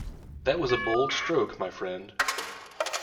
That was a bold stroke, my friend.